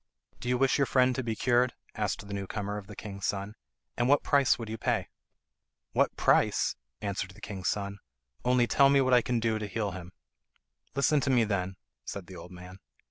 "Do you wish your friend to be cured?" asked the new comer of the king's son. "And what price would you pay?" "What price?" answered the king's son; "only tell me what I can do to heal him." "Listen to me, then," said the old man.